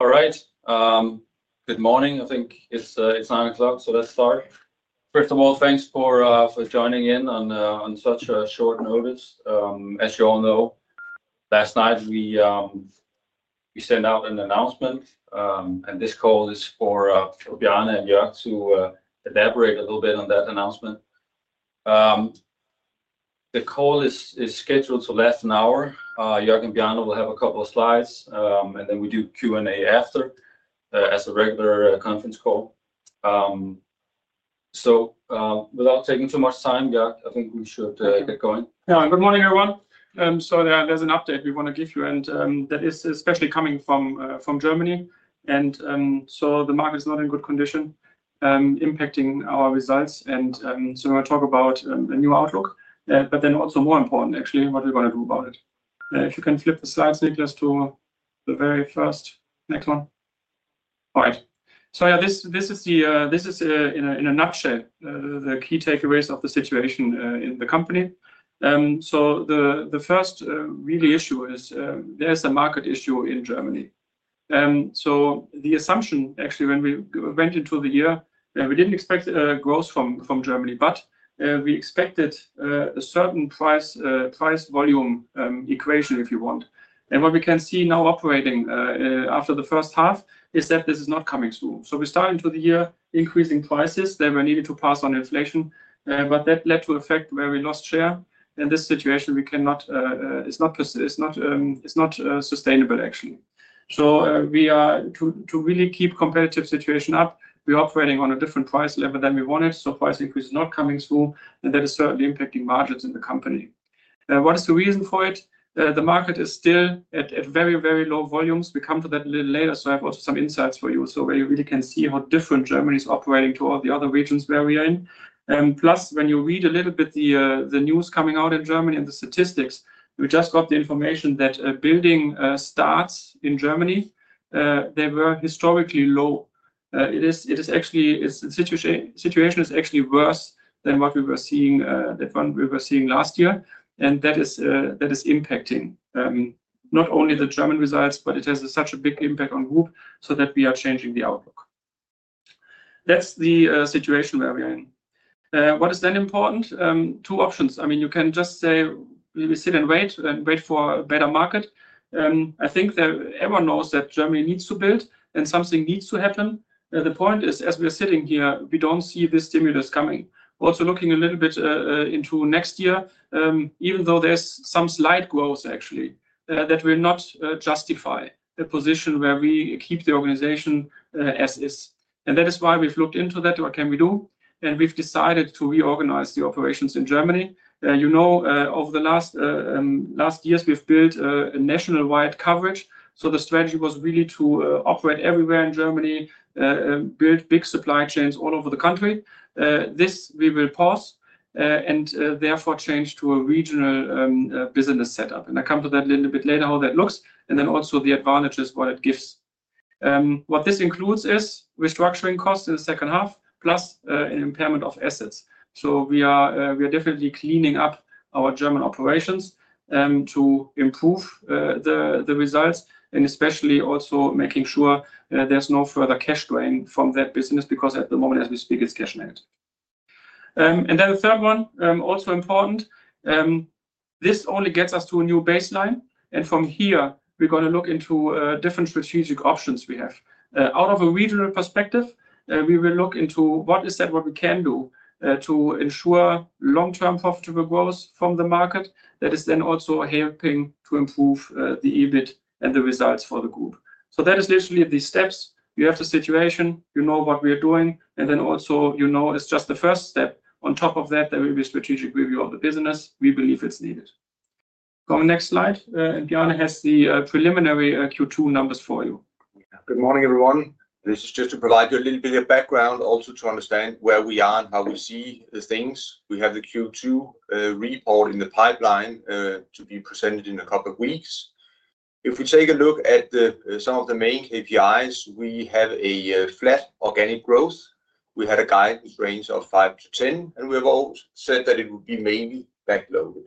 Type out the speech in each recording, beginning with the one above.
All right. Good morning. I think it's 9:00 A.M., so let's start. First of all, thanks for joining in on such short notice. As you all know, last night we sent out an announcement, and this call is for Bjarne and Jörg to elaborate a little bit on that announcement. The call is scheduled to last an hour. Jörg and Bjarne will have a couple of slides, and then we do Q&A after as a regular conference call. Without taking too much time, Jörg, I think we should get going. Yeah, and good morning, everyone. There's an update we want to give you, and that is especially coming from Germany. The market is not in good condition, impacting our results. We're going to talk about a new outlook, but also, more important, actually, what are we going to do about it? If you can flip the slides, Niclas, to the very first next one. All right. This is in a nutshell the key takeaways of the situation in the company. The first really issue is there is a market issue in Germany. The assumption, actually, when we went into the year, we didn't expect growth from Germany, but we expected a certain price volume equation, if you want. What we can see now operating after the first half is that this is not coming through. We started into the year increasing prices. Then we needed to pass on inflation, but that led to an effect where we lost share. This situation is not sustainable, actually. To really keep the competitive situation up, we are operating on a different price level than we wanted. Price increase is not coming through, and that is certainly impacting margins in the company. What is the reason for it? The market is still at very, very low volumes. We come to that a little later, so I have also some insights for you, so where you really can see how different Germany is operating to all the other regions where we are in. Plus, when you read a little bit the news coming out in Germany and the statistics, we just got the information that building starts in Germany, they were historically low. The situation is actually worse than what we were seeing last year, and that is impacting not only the German results, but it has such a big impact on the group that we are changing the outlook. That's the situation where we are in. What is then important? Two options. You can just say we sit and wait and wait for a better market. I think everyone knows that Germany needs to build and something needs to happen. The point is, as we're sitting here, we don't see this stimulus coming. We're also looking a little bit into next year, even though there's some slight growth, actually, that will not justify a position where we keep the organization as is. That is why we've looked into that, what can we do? We've decided to reorganize the operations in Germany. You know, over the last years, we've built a nationwide coverage. The strategy was really to operate everywhere in Germany, build big supply chains all over the country. This we will pause, therefore change to a regional business setup. I come to that a little bit later, how that looks, and then also the advantages it gives. What this includes is restructuring costs in the second half, plus an impairment of assets. We are definitely cleaning up our German operations to improve the results, and especially also making sure there's no further cash flow in from that business because at the moment, as we speak, it's cash-limited. The third one, also important, this only gets us to a new baseline. From here, we're going to look into different strategic options we have. Out of a regional perspective, we will look into what is that we can do to ensure long-term profitable growth from the market that is then also helping to improve the EBIT and the results for the group. That is literally the steps. You have the situation, you know what we are doing, and then also, you know it's just the first step. On top of that, there will be a strategic review of the business. We believe it's needed. Going to the next slide. Bjarne has the preliminary Q2 numbers for you. Good morning, everyone. This is just to provide you a little bit of background, also to understand where we are and how we see things. We have the Q2 report in the pipeline to be presented in a couple of weeks. If we take a look at some of the main KPIs, we have a flat organic growth. We had a guidance range of 5%-10%, and we have also said that it would be mainly backlogged.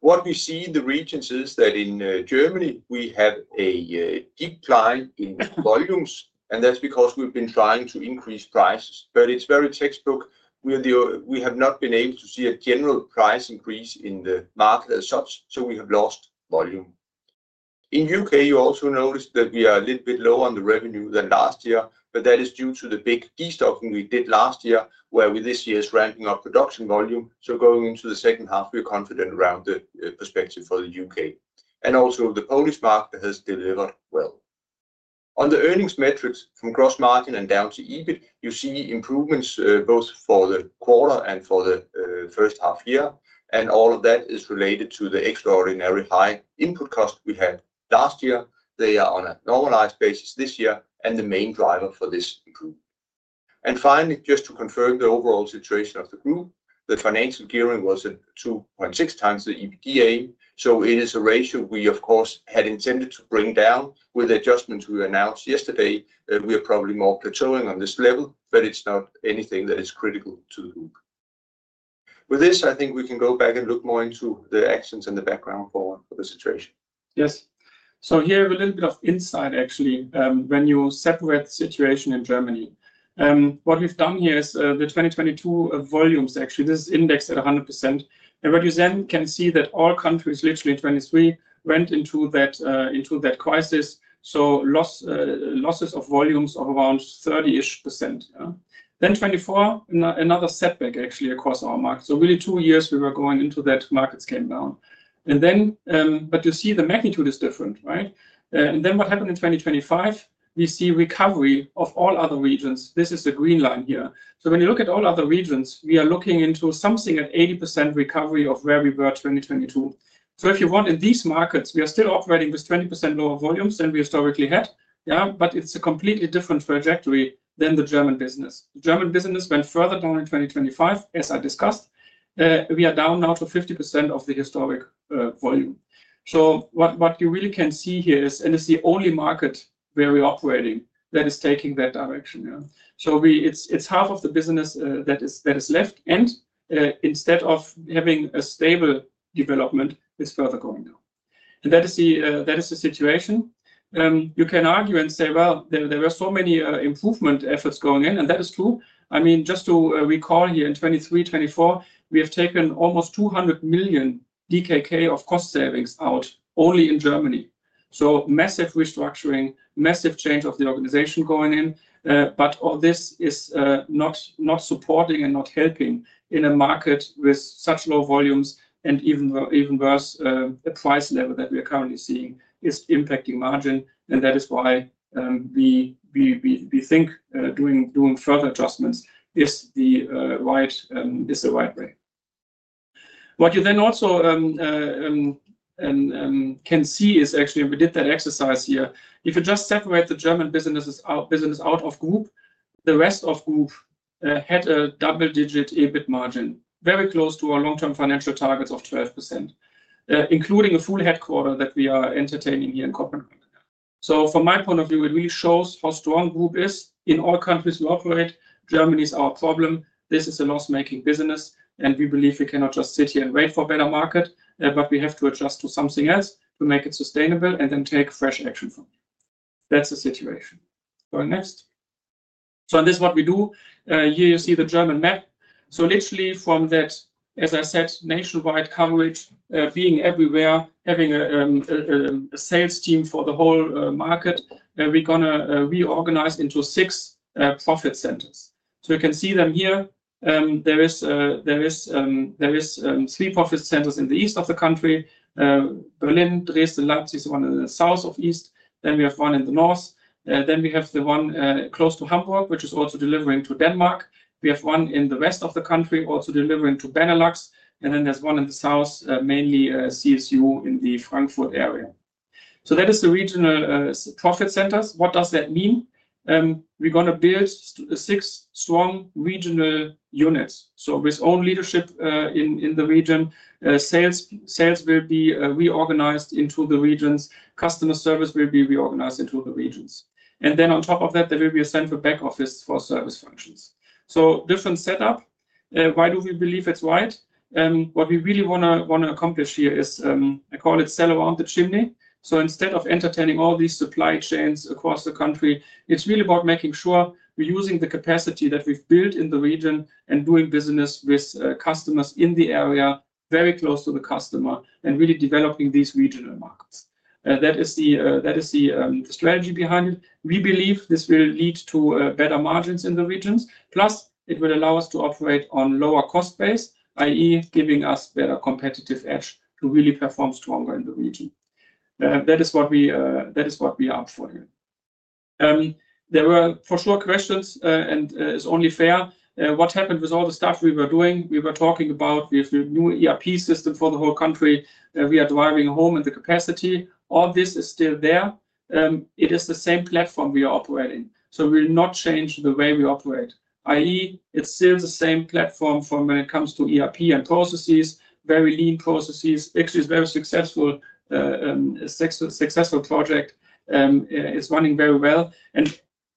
What we see in the regions is that in Germany, we have a decline in volumes, and that's because we've been trying to increase prices. It is very textbook. We have not been able to see a general price increase in the market as such, so we have lost volume. In the U.K., you also notice that we are a little bit lower on the revenue than last year, but that is due to the big de-stocking we did last year, where this year is ramping up production volume. Going into the second half, we're confident around the perspective for the U.K.. The Polish market has delivered well. On the earnings metrics from gross margin and down to EBIT, you see improvements both for the quarter and for the first half year, and all of that is related to the extraordinarily high input costs we had last year. They are on a normalized basis this year, and the main driver for this is the group. Finally, just to confirm the overall situation of the group, the financial gearing was at 2.6x the EBITDA. It is a ratio we, of course, had intended to bring down with the adjustments we announced yesterday that we are probably more paternal on this level, but it's not anything that is critical to the group. With this, I think we can go back and look more into the actions and the background for the situation. Yes. Here we have a little bit of insight, actually, when you separate the situation in Germany. What we've done here is the 2022 volumes, actually. This is indexed at 100%. What you then can see is that all countries literally in 2023 went into that crisis, so losses of volumes of around 30% ish. In 2024, another setback, actually, across our market. Really, two years we were going into that, markets came down. You see the magnitude is different, right? What happened in 2025, we see recovery of all other regions. This is the green line here. When you look at all other regions, we are looking into something at 80% recovery of where we were in 2022. If you want, in these markets, we are still operating with 20% lower volumes than we historically had, yeah, but it's a completely different trajectory than the German business. The German business went further down in 2025, as I discussed. We are down now to 50% of the historic volume. What you really can see here is, and it's the only market where we're operating that is taking that direction. It's half of the business that is left, and instead of having a stable development, it's further going down. That is the situation. You can argue and say there were so many improvement efforts going in, and that is true. Just to recall here in 2023, 2024, we have taken almost 200 million DKK of cost savings out, only in Germany. Massive restructuring, massive change of the organization going in, but all this is not supporting and not helping in a market with such low volumes and even worse, the price level that we are currently seeing is impacting margin. That is why we think doing further adjustments is the right way. What you then also can see is actually, we did that exercise here. If you just separate the German businesses out of group, the rest of group had a double-digit EBIT margin, very close to our long-term financial targets of 12%, including a full headquarter that we are entertaining here in Copenhagen. From my point of view, it really shows how strong group is. In all countries we operate, Germany is our problem. This is a loss-making business, and we believe we cannot just sit here and wait for a better market, but we have to adjust to something else to make it sustainable and then take fresh action from it. That's the situation. Going next. This is what we do. Here you see the German map. Literally from that, as I said, nationwide coverage, being everywhere, having a sales team for the whole market, we're going to reorganize into six profit centers. You can see them here. There are three profit centers in the east of the country: Berlin, Dresden, Leipzig, the one in the south of east. We have one in the north. We have the one close to Hamburg, which is also delivering to Denmark. We have one in the rest of the country, also delivering to Benelux. There's one in the south, mainly CSU in the Frankfurt area. That is the regional profit centers. What does that mean? We're going to build six strong regional units with own leadership in the region. Sales will be reorganized into the regions. Customer service will be reorganized into the regions. On top of that, there will be a central back office for service functions. Different setup. Why do we believe it's right? What we really want to accomplish here is, I call it sell around the chimney. Instead of entertaining all these supply chains across the country, it's really about making sure we're using the capacity that we've built in the region and doing business with customers in the area, very close to the customer, and really developing these regional markets. That is the strategy behind it. We believe this will lead to better margins in the regions. Plus, it will allow us to operate on a lower cost base, i.e., giving us a better competitive edge to really perform stronger in the region. That is what we are up for here. There were for sure questions, and it's only fair. What happened with all the stuff we were doing? We were talking about we have a new ERP system for the whole country. We are driving home and the capacity. All this is still there. It is the same platform we are operating. We will not change the way we operate, i.e., it's still the same platform for when it comes to ERP and processes, very lean processes. Actually, it's a very successful project. It's running very well.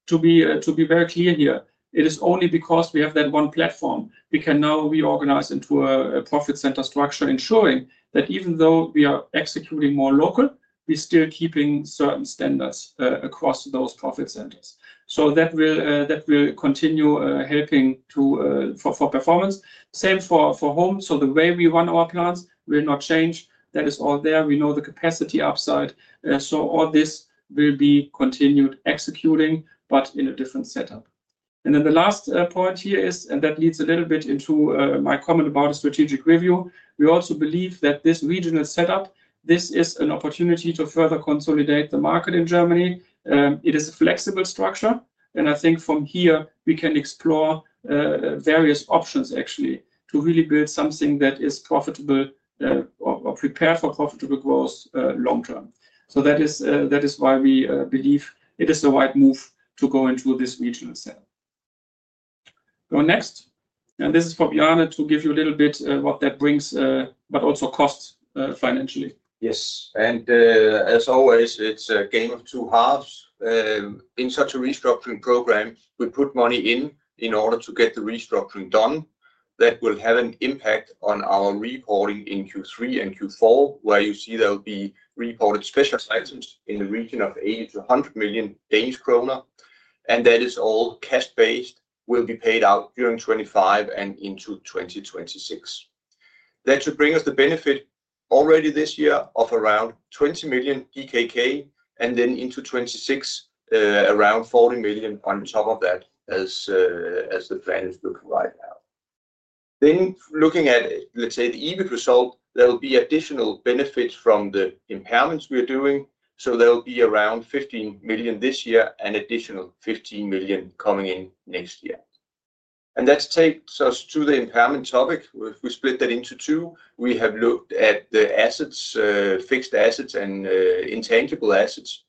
To be very clear here, it is only because we have that one platform we can now reorganize into a profit center structure, ensuring that even though we are executing more local, we're still keeping certain standards across those profit centers. That will continue helping for performance. Same for home. The way we run our plans will not change. That is all there. We know the capacity upside. All this will be continued executing, but in a different setup. The last point here is, and that leads a little bit into my comment about a strategic review. We also believe that this regional setup is an opportunity to further consolidate the market in Germany. It is a flexible structure. I think from here, we can explore various options, actually, to really build something that is profitable or prepare for profitable growth long-term. That is why we believe it is the right move to go into this regional setup. Going next, this is for Bjarne to give you a little bit what that brings, but also costs financially. Yes. As always, it's a game of two halves. In such a restructuring program, we put money in in order to get the restructuring done. That will have an impact on our reporting in Q3 and Q4, where you see there will be reported special items in the region of 80 million-100 million Danish kroner. That is all cash-based and will be paid out during 2025 and into 2026. That should bring us the benefit already this year of around 20 million, and then into 2026, around 40 million on top of that as the plan is looking right now. Looking at, let's say, the EBIT result, there will be additional benefits from the asset impairments we are doing. There will be around 15 million this year and an additional 15 million coming in next year. That takes us to the impairment topic. We split that into two. We have looked at the assets, fixed assets, and intangible assets.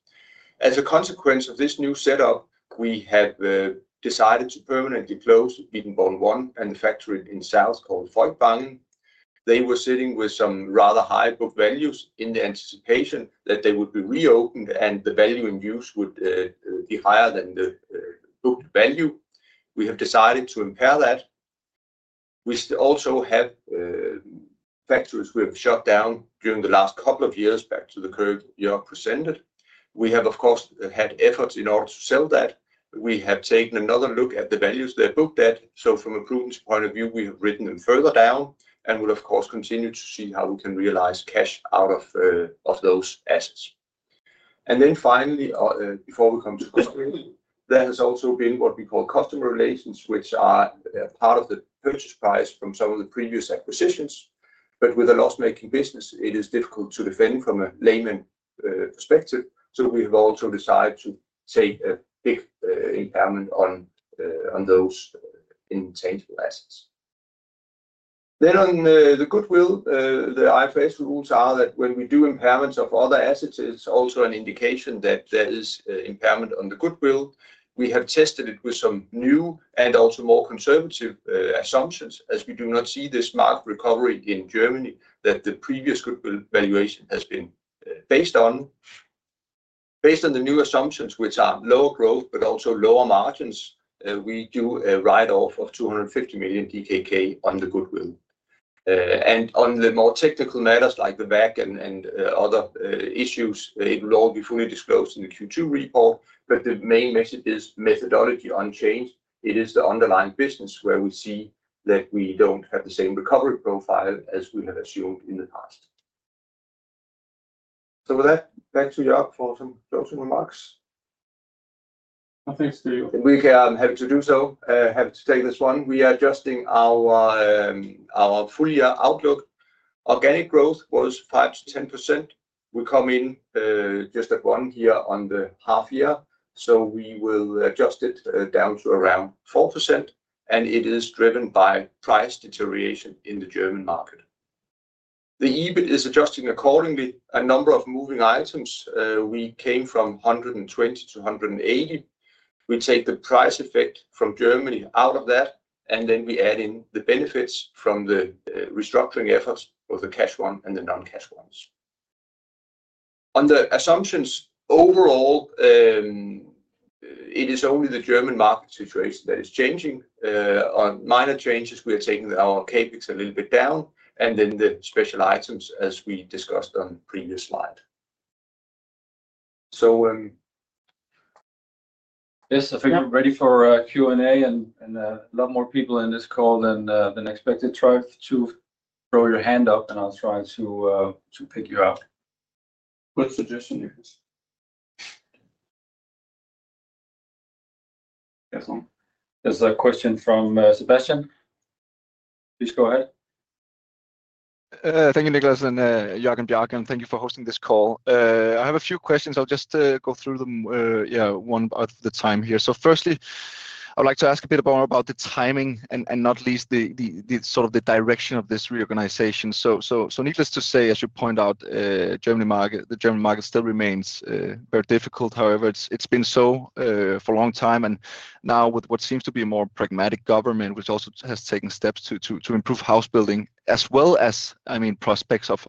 As a consequence of this new setup, we have decided to permanently close Biedenborn 1 and the factory in the south called Voigtwangen. They were sitting with some rather high book values in the anticipation that they would be reopened and the value in use would be higher than the book value. We have decided to impair that. We also have factories we have shut down during the last couple of years, back to the curve Jörg presented. We have, of course, had efforts in order to sell that. We have taken another look at the values they're booked at. From a prudence point of view, we've written them further down and will, of course, continue to see how we can realize cash out of those assets. Finally, before we come to customers, there has also been what we call customer relations, which are part of the purchase price from some of the previous acquisitions. With a loss-making business, it is difficult to defend from a layman perspective. We have also decided to take a big impairment on those intangible assets. On the goodwill, the IFRS rules are that when we do impairments of other assets, it's also an indication that there is impairment on the goodwill. We have tested it with some new and also more conservative assumptions as we do not see this market recovery in Germany that the previous goodwill valuation has been based on. Based on the new assumptions, which are low growth but also lower margins, we do a write-off of 250 million DKK on the goodwill. On the more technical matters like the back and other issues, it will all be fully disclosed in the Q2 report. The main message is methodology unchanged. It is the underlying business where we see that we don't have the same recovery profile as we have assumed in the past. With that, back to Jörg for some closing remarks. Thanks, Diljo. I'm happy to do so. Happy to take this one. We are adjusting our full-year outlook. Organic growth was 5%-10%. We come in just at one year on the half year. We will adjust it down to around 4%. It is driven by price deterioration in the German market. The EBIT is adjusting accordingly. A number of moving items, we came from 120 to 180. We take the price effect from Germany out of that, and we add in the benefits from the restructuring efforts of the cash one and the non-cash ones. On the assumptions overall, it is only the German market situation that is changing. On minor changes, we are taking our KPIs a little bit down, and the special items, as we discussed on the previous slide. Yes, I think we're ready for Q&A, and a lot more people in this call than expected. Try to throw your hand up, and I'll try to pick you up. What suggestion? There's a question from Sebastian. Please go ahead. Thank you, Niclas, and Jörg and Bjarne. Thank you for hosting this call. I have a few questions. I'll just go through them one at a time here. Firstly, I'd like to ask a bit more about the timing and not least the sort of the direction of this reorganization. Needless to say, as you point out, the German market still remains very difficult. However, it's been so for a long time. Now, with what seems to be a more pragmatic government, which also has taken steps to improve house building as well as prospects of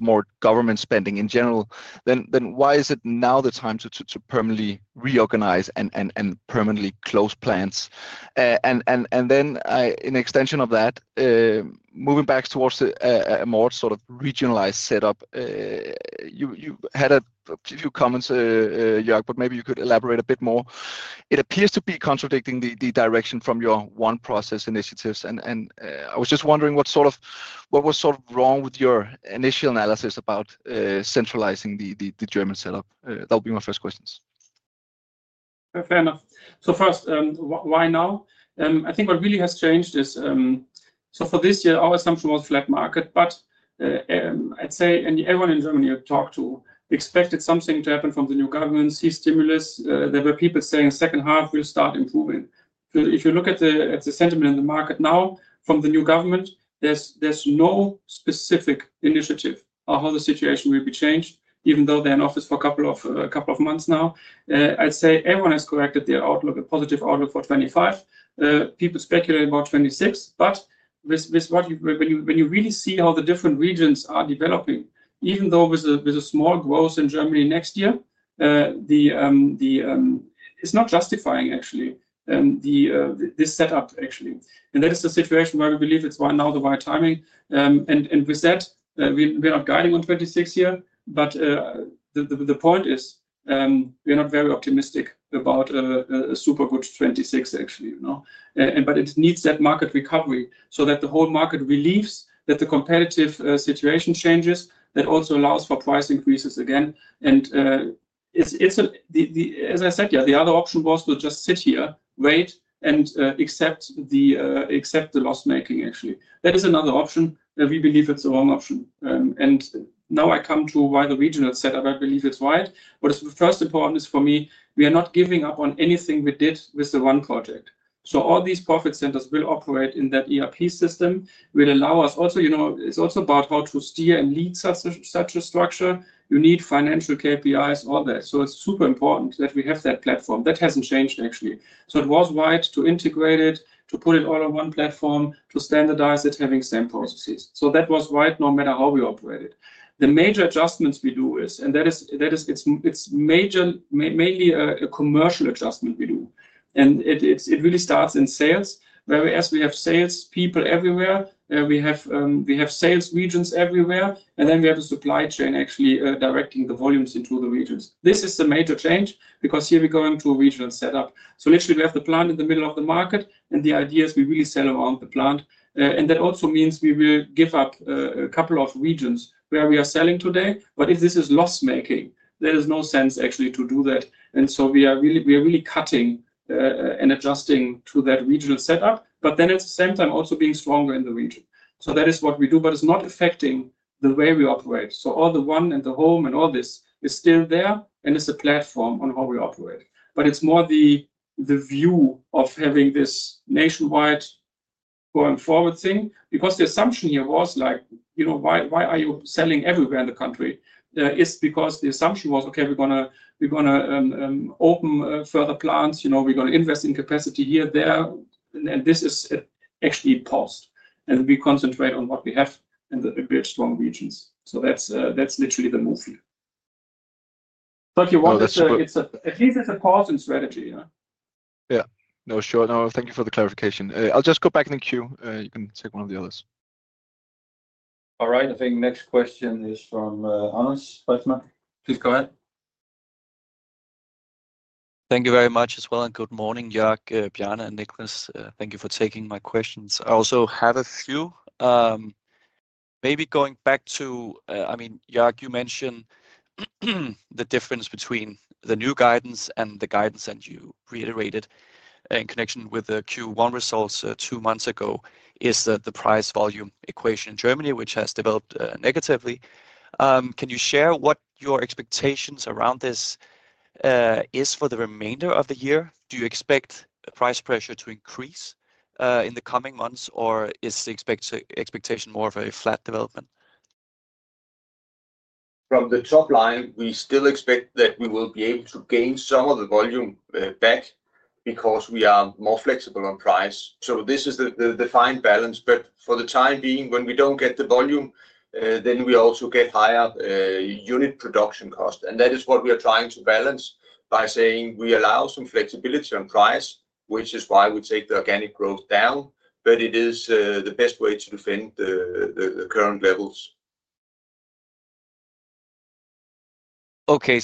more government spending in general, why is it now the time to permanently reorganize and permanently close plants? An extension of that, moving back towards a more sort of regionalized setup, you had a few comments, Jörg, but maybe you could elaborate a bit more. It appears to be contradicting the direction from your one-process initiatives. I was just wondering what was sort of wrong with your initial analysis about centralizing the German setup. That would be my first question. Fair enough. So first, why now? I think what really has changed is, for this year, our assumption was a flat market. I'd say anyone in Germany you talk to expected something to happen from the new government, see stimulus. There were people saying the second half will start improving. If you look at the sentiment in the market now from the new government, there's no specific initiative on how the situation will be changed, even though they're in office for a couple of months now. I'd say everyone has corrected their outlook, a positive outlook for 2025. People speculate about 2026. When you really see how the different regions are developing, even though there's a small growth in Germany next year, it's not justifying, actually, this setup, actually. That is the situation where I believe it's why now the right timing. With that, we're not guiding on 2026 here. The point is, we're not very optimistic about a super good 2026, actually. It needs that market recovery so that the whole market relieves that the competitive situation changes, that also allows for price increases again. As I said, the other option was to just sit here, wait, and accept the loss-making, actually. That is another option. We believe it's the wrong option. Now I come to why the regional setup, I believe it's right. What is first important is for me, we are not giving up on anything we did with the one project. All these profit centers will operate in that ERP system. It will allow us also, you know, it's also about how to steer and lead such a structure. You need financial KPIs, all that. It's super important that we have that platform. That hasn't changed, actually. It was right to integrate it, to put it all on one platform, to standardize it, having same processes. That was right no matter how we operated. The major adjustments we do is, and that is, it's major mainly a commercial adjustment we do. It really starts in sales, whereas we have salespeople everywhere. We have sales regions everywhere. Then we have the supply chain, actually, directing the volumes into the regions. This is the major change because here we go into a regional setup. Literally, we have the plant in the middle of the market. The idea is we really sell around the plant. That also means we will give up a couple of regions where we are selling today. If this is loss-making, there is no sense, actually, to do that. We are really cutting and adjusting to that regional setup, but at the same time also being stronger in the region. That is what we do. It's not affecting the way we operate. All the one and the home and all this is still there, and it's a platform on how we operate. It's more the view of having this nationwide going forward thing because the assumption here was, you know, why are you selling everywhere in the country? It's because the assumption was, OK, we're going to open further plants, we're going to invest in capacity here, there. This is actually paused, and we concentrate on what we have and build strong regions. That's literally the move here. At least it's a pausing strategy. Thank you for the clarification. I'll just go back in the queue. You can take one of the others. All right. I think next question is from Anders Preetzmann. Please go ahead. Thank you very much as well. Good morning, Jörg, Bjarne, and Niclas. Thank you for taking my questions. I also had a few. Maybe going back to, I mean, Jörg, you mentioned the difference between the new guidance and the guidance you reiterated in connection with the Q1 results two months ago, is the price volume equation in Germany, which has developed negatively. Can you share what your expectations around this are for the remainder of the year? Do you expect price pressure to increase in the coming months, or is the expectation more of a flat development? From the top line, we still expect that we will be able to gain some of the volume back because we are more flexible on price. This is the fine balance. For the time being, when we don't get the volume, we also get higher unit production cost. That is what we are trying to balance by saying we allow some flexibility on price, which is why we take the organic growth down. It is the best way to defend the current levels. OK,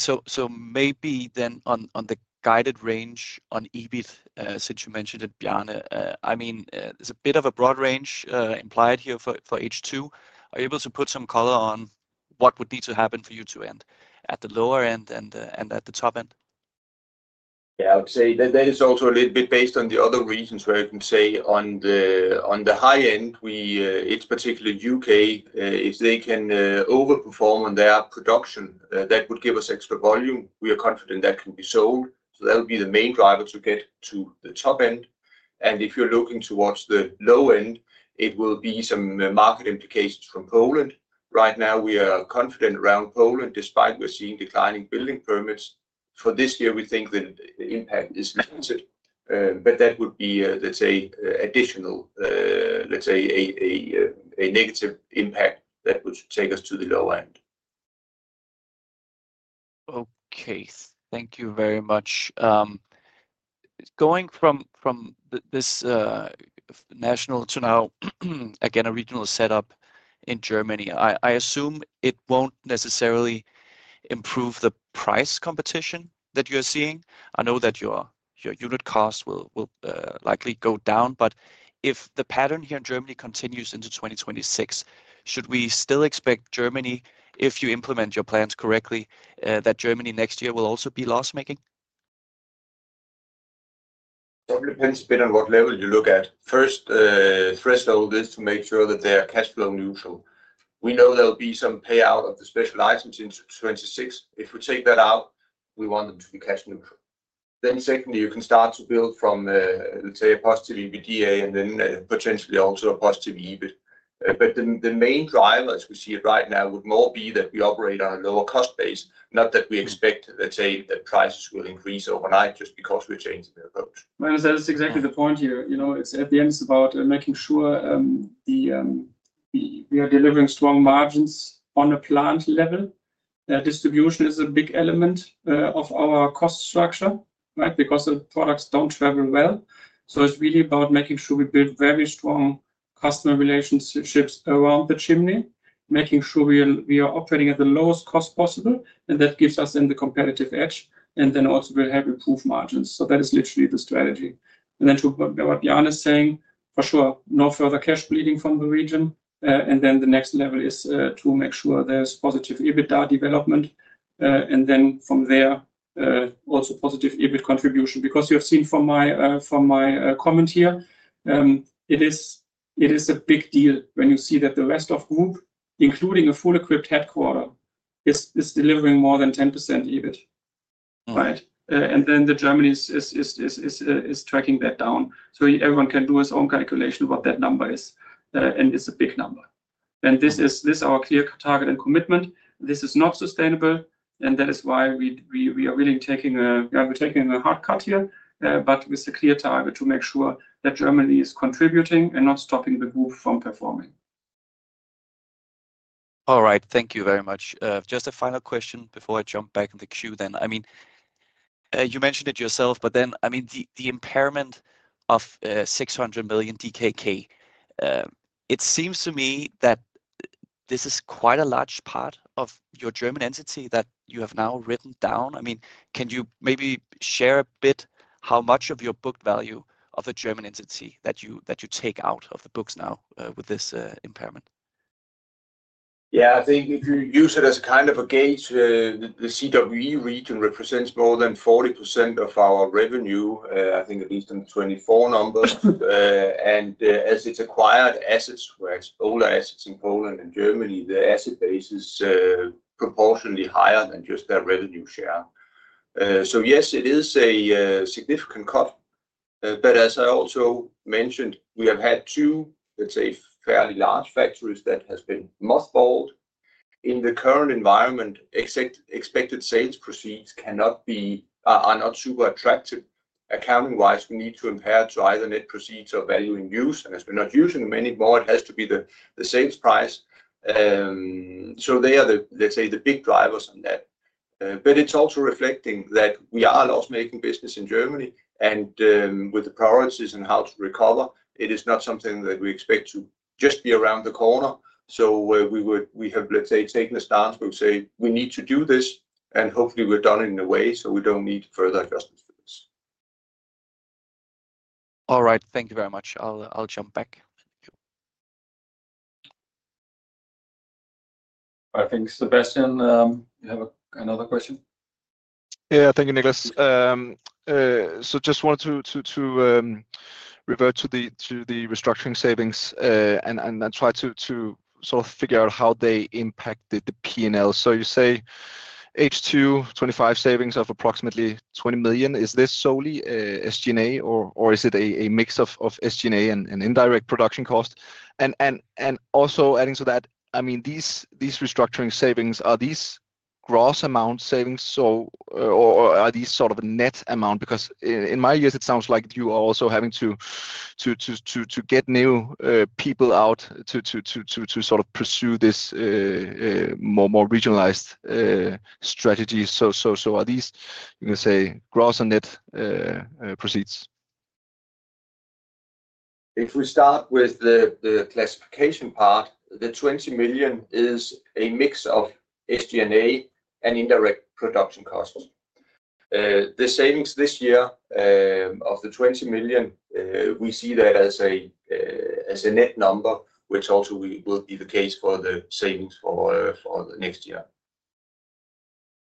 maybe then on the guided range on EBIT, since you mentioned it, Bjarne, there's a bit of a broad range implied here for H2. Are you able to put some color on what would need to happen for you to end at the lower end and at the top end? Yeah, I would say that is also a little bit based on the other reasons where you can say on the high end, it's particularly the U.K. If they can overperform on their production, that would give us extra volume. We are confident that can be sold. That would be the main driver to get to the top end. If you're looking towards the low end, it will be some market implications from Poland. Right now, we are confident around Poland, despite we're seeing declining building permits. For this year, we think the impact is limited. That would be, let's say, additional, let's say, a negative impact that would take us to the lower end. OK, thank you very much. Going from this national to now, again, a regional setup in Germany, I assume it won't necessarily improve the price competition that you're seeing. I know that your unit cost will likely go down. If the pattern here in Germany continues into 2026, should we still expect Germany, if you implement your plans correctly, that Germany next year will also be loss-making? It's a bit on what level you look at. First, the first level is to make sure that they are cash flow neutral. We know there'll be some payout of the special license in 2026. If we take that out, we want them to be cash neutral. Secondly, you can start to build from, let's say, a positive EBITDA and then potentially also a positive EBIT. The main driver, as we see it right now, would more be that we operate on a lower cost base, not that we expect, let's say, that prices will increase overnight just because we're changing the approach. That's exactly the point here. At the end, it's about making sure we are delivering strong margins on a plant level. Distribution is a big element of our cost structure, right, because the products don't travel well. It's really about making sure we build very strong customer relationships around the chimney, making sure we are operating at the lowest cost possible. That gives us the competitive edge, and we'll have improved margins. That is literally the strategy. To what Bjarne is saying, for sure, no further cash bleeding from the region. The next level is to make sure there's positive EBITDA development, and from there, also positive EBIT contribution. You have seen from my comment here, it is a big deal when you see that the rest of the group, including a fully equipped headquarter, is delivering more than 10% EBIT, and Germany is tracking that down. Everyone can do his own calculation of what that number is, and it's a big number. This is our clear target and commitment. This is not sustainable, and that is why we are really taking a hard cut here, but with a clear target to make sure that Germany is contributing and not stopping the group from performing. All right. Thank you very much. Just a final question before I jump back in the queue. I mean, you mentioned it yourself, but the impairment of 600 million DKK, it seems to me that this is quite a large part of your German entity that you have now written down. I mean, can you maybe share a bit how much of your book value of a German entity that you take out of the books now with this impairment? Yeah, I think if you use it as kind of a gauge, the CWE region represents more than 40% of our revenue, I think at least in 2024 numbers. As it's acquired assets where it's all assets in Poland and Germany, the asset base is proportionately higher than just that revenue share. Yes, it is a significant cut. As I also mentioned, we have had two, let's say, fairly large factories that have been mothballed. In the current environment, expected sales proceeds are not super attractive. Accounting-wise, we need to impair to either net proceeds or value in use. As we're not using them anymore, it has to be the sales price. They are the, let's say, the big drivers on that. It's also reflecting that we are a loss-making business in Germany. With the priorities and how to recover, it is not something that we expect to just be around the corner. We have, let's say, taken a stance where we say, we need to do this. Hopefully, we're done in a way so we don't need further adjustments for this. All right. Thank you very much. I'll jump back. I think, Sebastian, you have another question? Thank you, Niclas. I just want to revert to the restructuring savings and try to sort of figure out how they impacted the P&L. You say H2 2025 savings of approximately 20 million. Is this solely SG&A, or is it a mix of SG&A and indirect production cost? Also, adding to that, these restructuring savings, are these gross amount savings or are these sort of net amount? Because in my ears, it sounds like you are also having to get new people out to pursue this more regionalized strategy. Are these, you can say, gross or net proceeds? If we start with the classification part, the 20 million is a mix of SG&A and indirect production costs. The savings this year of the 20 million, we see that as a net number, which also will be the case for the savings for the next year.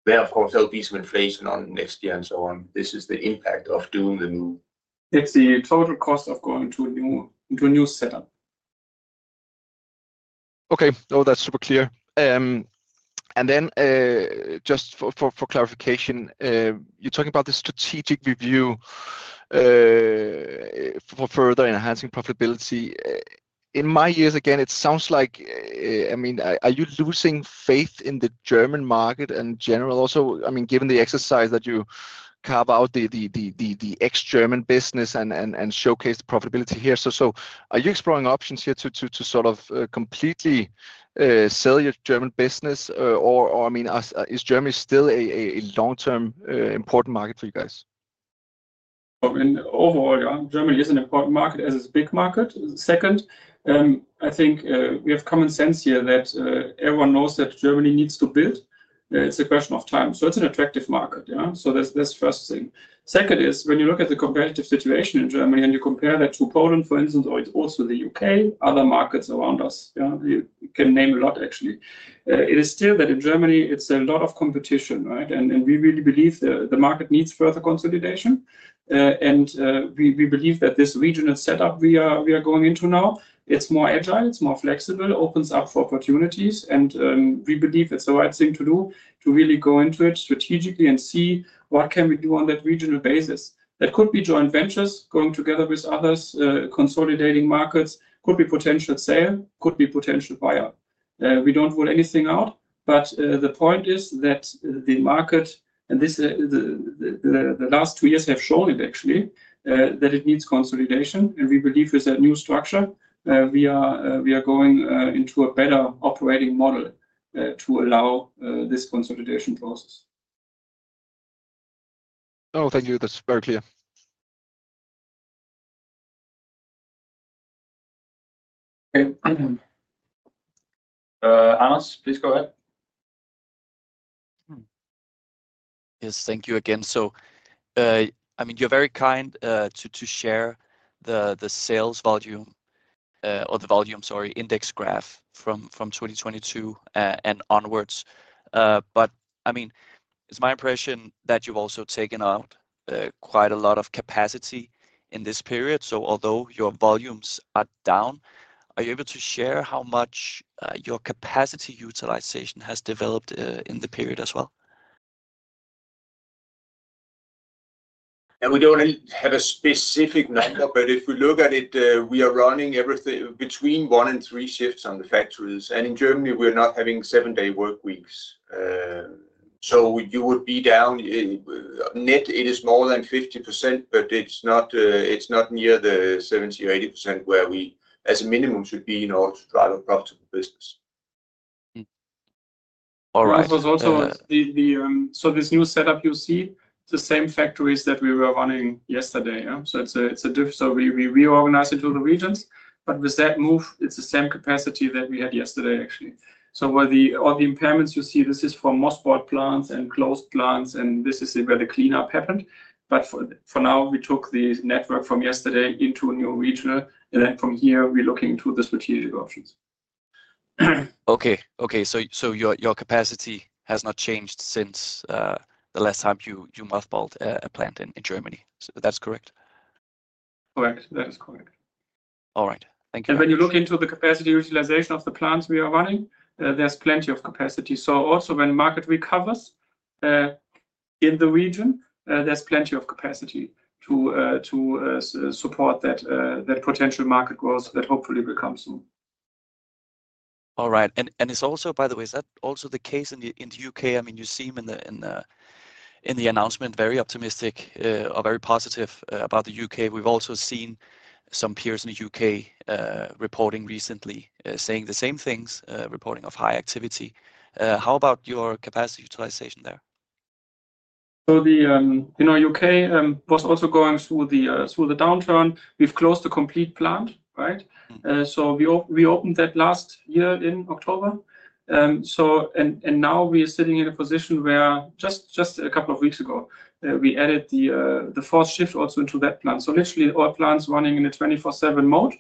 Therefore, there'll be some inflation on next year and so on. This is the impact of doing the new. It's the total cost of going to a new setup. OK, no, that's super clear. Just for clarification, you're talking about the strategic review for further enhancing profitability. In my ears, again, it sounds like, I mean, are you losing faith in the German market in general? Also, given the exercise that you carve out the ex-German business and showcase the profitability here, are you exploring options here to sort of completely sell your German business? I mean, is Germany still a long-term important market for you guys? I mean, overall, Germany is an important market as it's a big market. Second, I think we have common sense here that everyone knows that Germany needs to build. It's a question of time. It's an attractive market. That's the first thing. Second is when you look at the competitive situation in Germany and you compare that to Poland, for instance, or also the U.K., other markets around us, you can name a lot, actually. It is still that in Germany, it's a lot of competition, right? We really believe the market needs further consolidation. We believe that this regional setup we are going into now is more agile. It's more flexible, opens up for opportunities. We believe it's the right thing to do to really go into it strategically and see what can we do on that regional basis. That could be joint ventures, going together with others, consolidating markets. It could be potential sale. It could be potential buyout. We don't rule anything out. The point is that the market, and this is the last two years have shown it, actually, that it needs consolidation. We believe with that new structure, we are going into a better operating model to allow this consolidation process. Oh, thank you. That's very clear. Please go ahead. Yes, thank you again. You're very kind to share the sales volume or the volume, sorry, index graph from 2022 and onwards. It's my impression that you've also taken out quite a lot of capacity in this period. Although your volumes are down, are you able to share how much your capacity utilization has developed in the period as well? We don't have a specific number, but if we look at it, we are running between one and three shifts on the factories. In Germany, we're not having seven-day work weeks, so you would be down. Net is more than 50%, but it's not near the 70% or 80% where we, as a minimum, should be in order to drive a profitable business. All right. This new setup, you see the same factories that we were running yesterday. It's difficult, we reorganize into the regions. With that move, it's the same capacity that we had yesterday, actually. Where all the impairments you see, this is for mothballed plants and closed plants, and this is where the cleanup happened. For now, we took the network from yesterday into a new region. From here, we're looking into the strategic options. OK. Your capacity has not changed since the last time you mothballed a plant in Germany. That's correct? Correct. That is correct. All right. Thank you. When you look into the capacity utilization of the plants we are running, there's plenty of capacity. Also, when the market recovers in the region, there's plenty of capacity to support that potential market growth that hopefully becomes soon. All right. Is that also the case in the U.K.? I mean, you seem in the announcement very optimistic or very positive about the U.K. We've also seen some peers in the U.K. reporting recently, saying the same things, reporting of high activity. How about your capacity utilization there? The U.K. was also going through the downturn. We've closed a complete plant, right? We opened that last year in October, and now we are sitting in a position where just a couple of weeks ago, we added the fourth shift also into that plant. Literally, all plants are running in a 24/7 mode.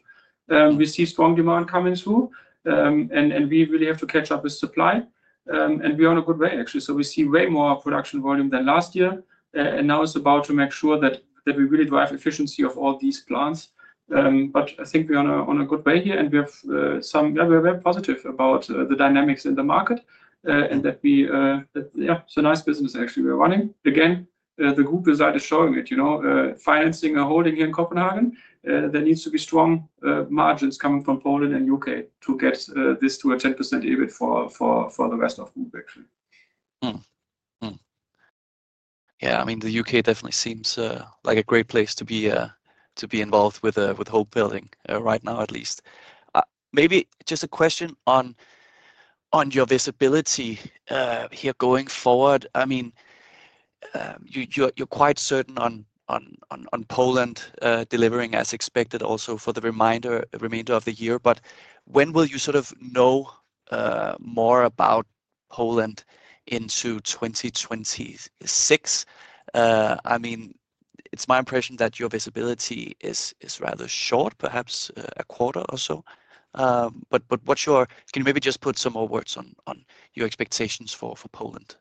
We see strong demand coming through, and we really have to catch up with supply. We are on a good way, actually. We see way more production volume than last year, and now it's about making sure that we really drive efficiency of all these plants. I think we are on a good way here. We are very positive about the dynamics in the market, and it's a nice business, actually, we're running. Again, the group is showing it. You know, financing a holding here in Copenhagen, there needs to be strong margins coming from Poland and the U.K. to get this to a 10% EBIT for the rest of the group, actually. Yeah, I mean, the U.K. definitely seems like a great place to be involved with [H+H] building right now, at least. Maybe just a question on your visibility here going forward. I mean, you're quite certain on Poland delivering as expected also for the remainder of the year. When will you sort of know more about Poland into 2026? I mean, it's my impression that your visibility is rather short, perhaps a quarter or so. What's your, can you maybe just put some more words on your expectations for Poland?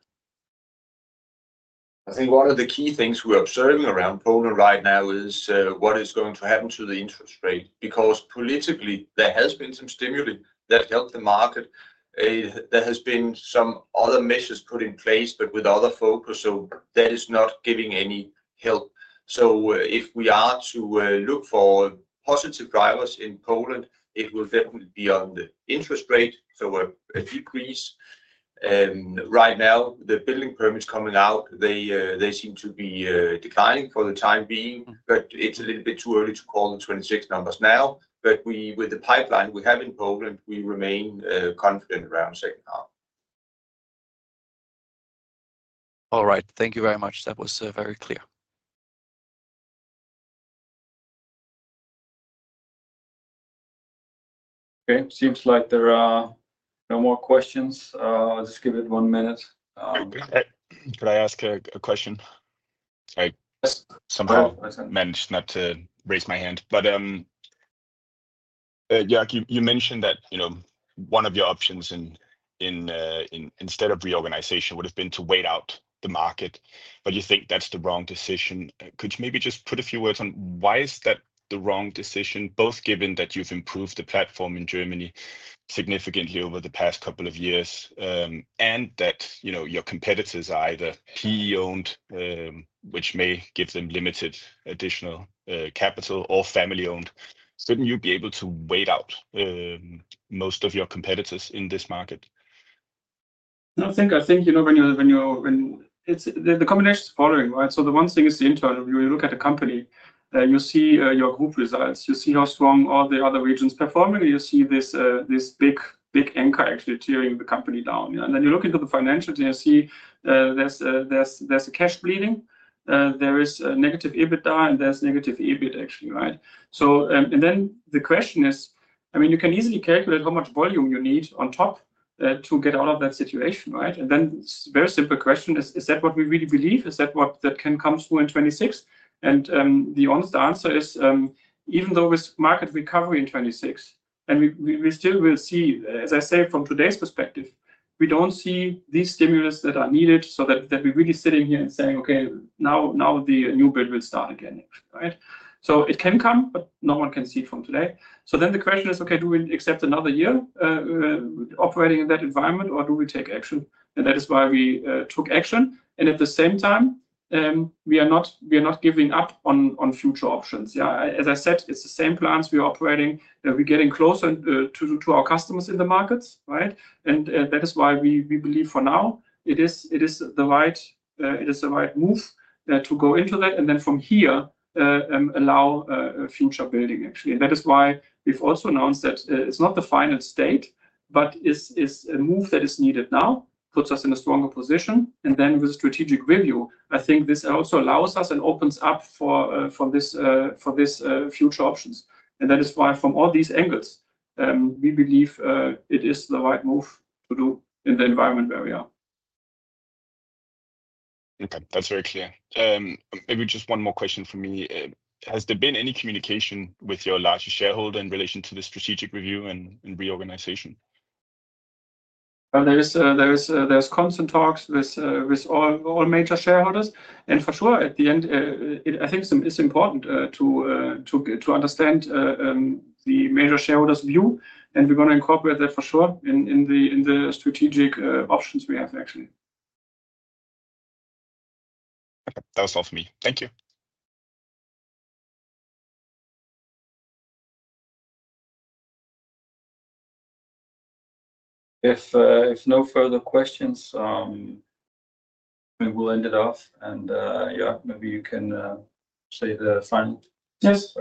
I think one of the key things we are observing around Poland right now is what is going to happen to the interest rate. Because politically, there has been some stimuli that helped the market. There have been some other measures put in place, with other focus. That is not giving any help. If we are to look for positive drivers in Poland, it will definitely be on the interest rate, so a decrease. Right now, the building permits coming out seem to be declining for the time being. It's a little bit too early to call the 2026 numbers now. With the pipeline we have in Poland, we remain confident around the second half. All right, thank you very much. That was very clear. Okay, it seems like there are no more questions. I'll just give it one minute. Could I ask a question? I somehow managed not to raise my hand. Jörg, you mentioned that one of your options instead of reorganization would have been to wait out the market. You think that's the wrong decision. Could you maybe just put a few words on why is that the wrong decision, both given that you've improved the platform in Germany significantly over the past couple of years, and that your competitors are either PE-owned, which may give them limited additional capital, or family-owned. Shouldn't you be able to wait out most of your competitors in this market? When it's the combination, it's boring, right? The one thing is the internal. You look at a company, you see your group results. You see how strong all the other regions are performing. You see this big anchor actually tearing the company down. You look into the financials and you see there's a cash bleeding. There is a negative EBITDA and there's negative EBIT, actually, right? The question is, you can easily calculate how much volume you need on top to get out of that situation, right? A very simple question is, is that what we really believe? Is that what that can come through in 2026? The honest answer is, even though with market recovery in 2026, we still will see, as I say, from today's perspective, we don't see these stimulus that are needed so that we really sit in here and say, OK, now the new build will start again, right? It can come, but no one can see it from today. The question is, do we accept another year operating in that environment, or do we take action? That is why we took action. At the same time, we are not giving up on future options. As I said, it's the same plans we are operating. We're getting closer to our customers in the markets, right? That is why we believe for now it is the right move to go into that. From here, allow future building, actually. That is why we've also announced that it's not the final state, but it's a move that is needed now, puts us in a stronger position. With a strategic review, I think this also allows us and opens up for these future options. That is why from all these angles, we believe it is the right move to do in the environment where we are. That's very clear. Maybe just one more question from me. Has there been any communication with your larger shareholder in relation to the strategic review and reorganization? are constant talks with all major shareholders. For sure, at the end, I think it's important to understand the major shareholders' view, and we're going to incorporate that for sure in the strategic options we have, actually. That was all from me. Thank you. If no further questions, we'll end it off. Maybe you can say the final. Yes.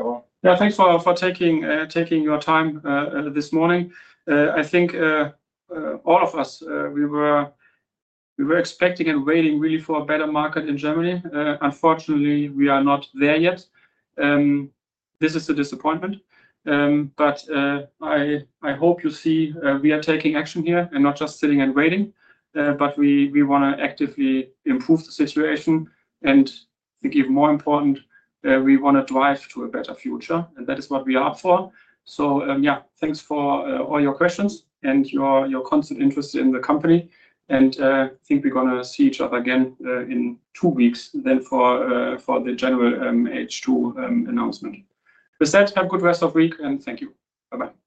Yeah, thanks for taking your time this morning. I think all of us were expecting and waiting really for a better market in Germany. Unfortunately, we are not there yet. This is a disappointment. I hope you see we are taking action here and not just sitting and waiting. We want to actively improve the situation. I think even more important, we want to drive to a better future. That is what we are up for. Yeah, thanks for all your questions and your constant interest in the company. I think we're going to see each other again in two weeks for the general H2 announcement. With that, have a good rest of the week. Thank you. Bye-bye.